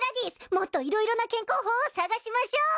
もっと色々な健康法を探しましょう。